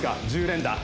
１０連打